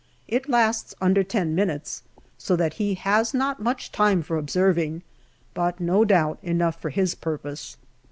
It lasts under ten minutes, so that he has not much time for observing, but no doubt time enough for his purpose.